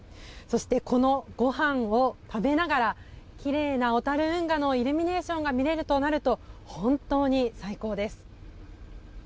そして、このごはんを食べながらきれいな小樽運河のイルミネーションが見れるとなると本当に最高です！